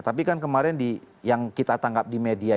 tapi kan kemarin yang kita tangkap di media